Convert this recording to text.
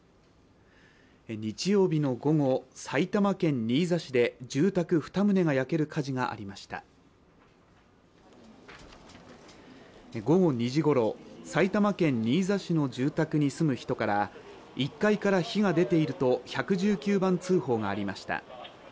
日曜日の午後、埼玉県新座市で住宅２棟が焼ける火事がありました午後２時ごろ、埼玉県新座市の住宅に住む人から１階から火が出ていると１１９番通報がありました。